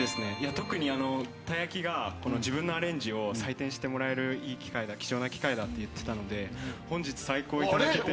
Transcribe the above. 特にたいやきが自分のアレンジを採点してもらえるいい機会だ貴重な機会だって言ってたので本日最高頂けて。